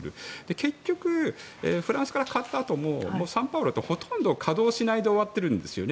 結局、フランスから買ったあとも「サンパウロ」ってほとんど稼働しないで終わってるんですよね。